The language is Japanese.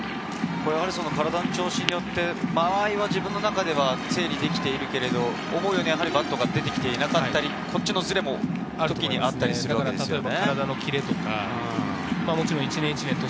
体の調子によって、間合いは自分の中ではできているけれど、思うようにバットが出てきていなかったり、そういうズレもあったりするわけですよね。